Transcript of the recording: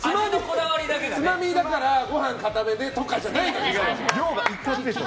つまみだから、ご飯かためでとかじゃないでしょ！